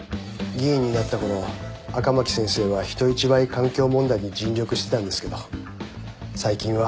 議員になったころ赤巻先生は人一倍環境問題に尽力してたんですけど最近は。